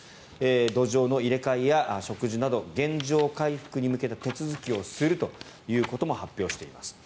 土壌の入れ替えや植樹など原状回復に向けた手続きをするということも発表しています。